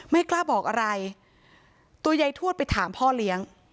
ไม่กล้าบอกอะไรตัวยายทวดไปถามพ่อเลี้ยง